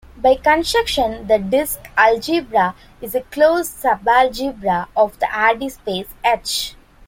By construction the disc algebra is a closed subalgebra of the Hardy space "H".